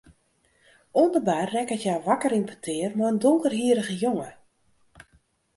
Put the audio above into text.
Oan de bar rekket hja wakker yn petear mei in donkerhierrige jonge.